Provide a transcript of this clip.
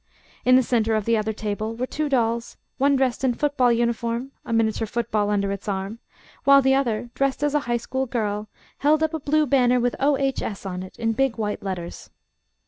In the center of the other table were two dolls, one dressed in football uniform, a miniature football under its arm, while the other, dressed as a High School girl, held up a blue banner with O. H. S. on it in big, white letters.